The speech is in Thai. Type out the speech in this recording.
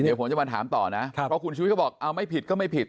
เดี๋ยวผมจะมาถามต่อนะเพราะคุณชุวิตก็บอกเอาไม่ผิดก็ไม่ผิด